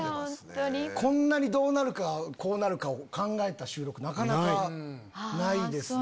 こんなにどうなるかこうなるかを考えた収録なかなかないですね。